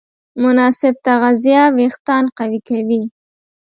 مناسب تغذیه وېښتيان قوي کوي.